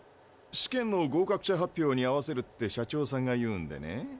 「試験の合格者発表に合わせる」と社長さんが言うんでね。